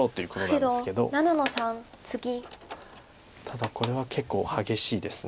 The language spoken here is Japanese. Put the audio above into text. ただこれは結構激しいです。